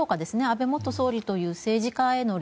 安倍元総理という政治家への